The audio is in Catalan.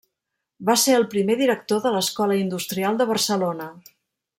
Va ser el primer director de l'Escola Industrial de Barcelona.